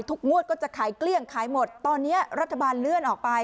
งวดก็จะขายเกลี้ยงขายหมดตอนนี้รัฐบาลเลื่อนออกไป